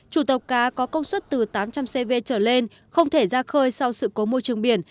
chủ tàu cá có công suất từ tám trăm linh cv trở lên không thể ra khơi sau sự cố môi trường biển